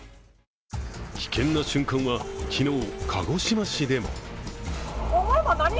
危険な瞬間は昨日、鹿児島市でも。